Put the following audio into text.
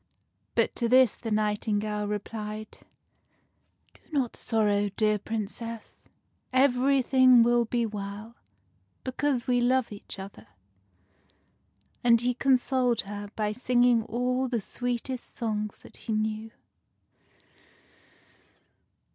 But to this the nightingale replied, —" Do not sorrow, dear Princess : everything will be well, because we love each other." And he consoled her by singing all the sweetest songs that he knew.